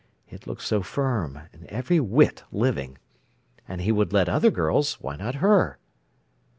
It looked so firm, and every whit living. And he would let other girls, why not her?